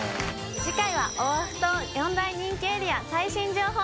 次回はオアフ島４大人気エリア最新情報